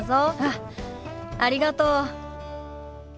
あっありがとう。